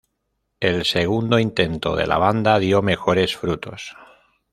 El segundo intento de la banda dio mejores frutos.